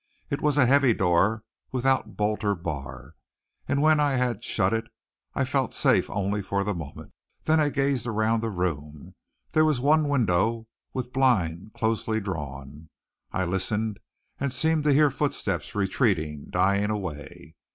It was a heavy door, without bolt or bar, and when I had shut it I felt safe only for the moment. Then I gazed around the room. There was one window with blind closely drawn. I listened and seemed to hear footsteps retreating, dying away.